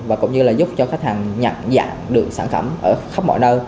và cũng như là giúp cho khách hàng nhận dạng được sản phẩm ở khắp mọi nơi